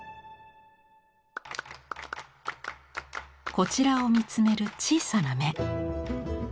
こちらを見つめる小さな目。